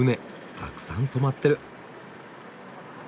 たくさん泊まってる。